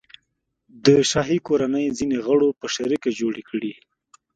د شاهي کورنۍ ځینو غړو په شریکه جوړې کړي.